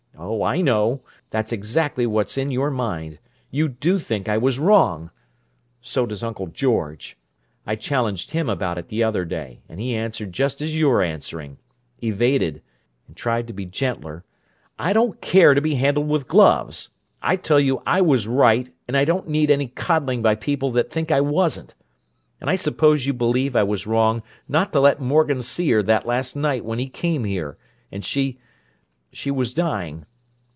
Oh, I know! That's exactly what's in your mind: you do think I was wrong! So does Uncle George. I challenged him about it the other day, and he answered just as you're answering—evaded, and tried to be gentler. I don't care to be handled with gloves! I tell you I was right, and I don't need any coddling by people that think I wasn't! And I suppose you believe I was wrong not to let Morgan see her that last night when he came here, and she—she was dying.